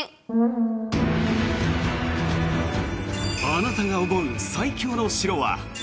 あなたが思う最強の城は？